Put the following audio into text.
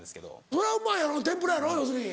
そりゃうまいやろ天ぷらやろ要するに。